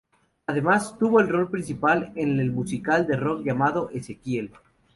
Además, tuvo el rol principal en el musical de rock llamado "Ezequiel".